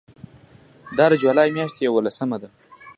دا د جولای میاشتې یوولسمه ده.